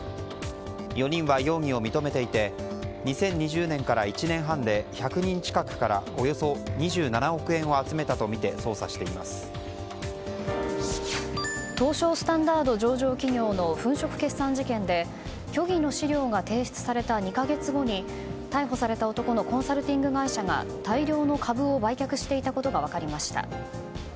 ４人は容疑を認めていて２０２０年から１年半で１００人近くからおよそ２７億円を集めたとみて東証スタンダード上場企業の粉飾決算事件で虚偽の資料が提出された２か月後に逮捕された男のコンサルティング会社が大量の株を売却していたことが分かりました。